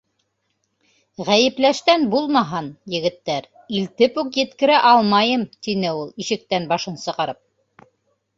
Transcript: Ғәйепләштән булмаһын, егеттәр, илтеп үк еткерә алмайым, - тине ул, ишектән башын сығарып.